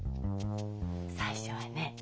最初はね